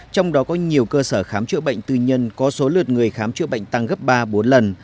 trong đó có nhiều cơ sở khám chữa bệnh tư nhân có số lượt người khám chữa bệnh tăng gấp ba bốn lần